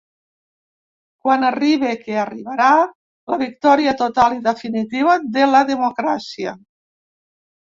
Quan arribe, que arribarà, la victòria total i definitiva de la democràcia.